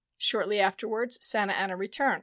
Shortly afterwards Santa Anna returned.